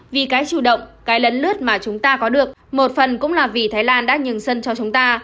vì cái chủ động cái lấn lướt mà chúng ta có được một phần cũng là vì thái lan đã nhường sân cho chúng ta